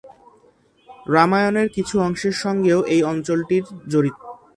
রামায়ণের কিছু অংশের সঙ্গেও এই অঞ্চলটির জড়িত।